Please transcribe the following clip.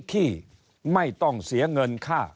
ที่ไม่ต้องเสียเงินค่า